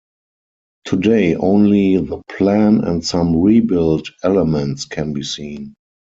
Today only the plan and some rebuilt elements can be seen.